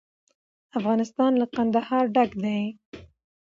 افغانستان له کندهار ډک دی.